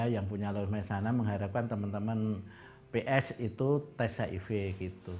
yang punya loadmap sana mengharapkan teman teman ps itu tes hiv gitu